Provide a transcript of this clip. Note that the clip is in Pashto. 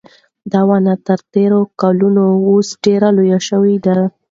دا ونه تر تېرو کلونو اوس ډېره لویه شوې ده.